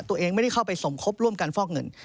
ตัวเองไม่ได้เข้าไปสมคบร่วมการฟอกเงิน